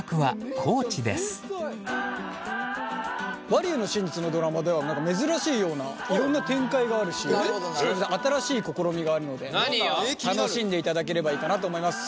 「バリューの真実」のドラマでは珍しいようないろんな展開があるし新しい試みがあるので楽しんでいただければいいかなと思います。